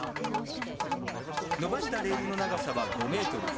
延ばしたレールの長さは５メートル。